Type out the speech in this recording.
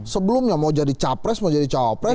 sebelumnya mau jadi capres mau jadi cawapres